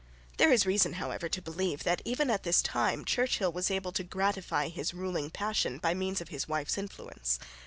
There is reason, however, to believe that, even at this time, Churchill was able to gratify his ruling passion by means of his wife's influence.